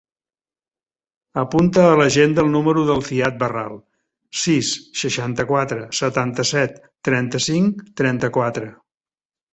Apunta a l'agenda el número del Ziad Barral: sis, seixanta-quatre, setanta-set, trenta-cinc, trenta-quatre.